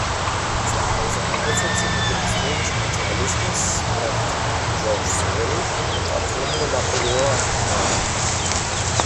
Seine Auseinandersetzung mit dem Historischen Materialismus brachte ihn Georges Sorel und Antonio Labriola nahe.